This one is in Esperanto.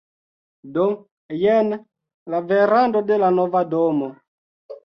Do, jen la verando de la nova domo